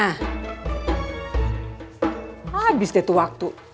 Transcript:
habis deh tuh waktu